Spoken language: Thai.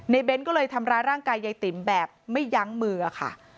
เน้นก็เลยทำร้ายร่างกายยายติ๋มแบบไม่ยั้งมือค่ะ